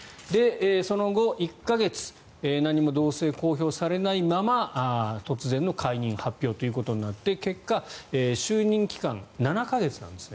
その後、１か月何も動静、公表されないまま突然の解任発表となって結果就任期間７か月なんですね。